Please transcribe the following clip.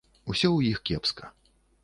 Усё ў іх кепска.